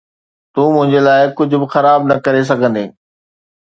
تون منهنجي لاءِ ڪجهه به خراب نه ڪري سگهندين.